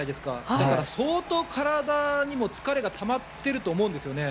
だから、相当体にも疲れがたまっていると思うんですよね。